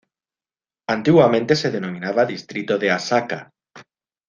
Antiguamente se denominaba distrito de Asaka.